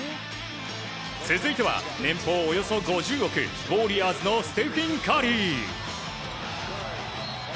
続いては、年俸およそ５０億ウォーリアーズのステフィン・カリー。